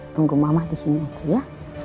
tunggu mama di sini aja ya